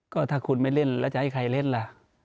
ก็ถ้าคุณไม่เล่นแล้วจะให้ใครเล่นล่ะ